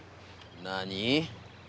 何？